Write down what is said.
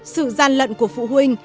sự gian lận của phụ huynh